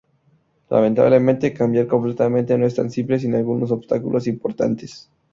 Lamentablemente, cambiar completamente no es tan simple sin algunos obstáculos importantes.